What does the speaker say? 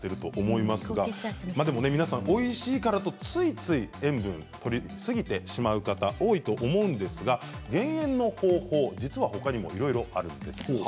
皆さんおいしいからと、ついつい塩分をとりすぎてしまう方多いと思うんですが、減塩の方法実はほかにもいろいろあるんです。